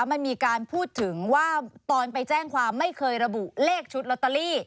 มันมีการพูดถึงว่าตอนไปแจ้งความไม่เคยระบุเลขชุดลอตเตอรี่